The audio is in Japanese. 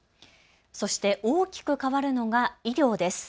そして大きく変わるのが医療です。